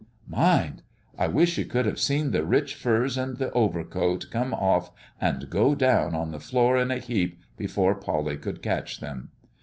Mind! I wish you could have seen the rich furs and overcoat come off and go down on the floor in a heap, before Polly could catch them!